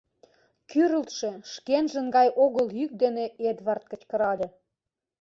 — кӱрылтшӧ, шкенжын гай огыл йӱк дене Эдвард кычкырале.